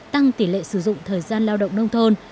tăng tỷ lệ sử dụng thời gian lao động nông thôn